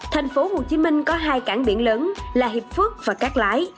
tp hcm có hai cảng biển lớn là hiệp phước và cát lái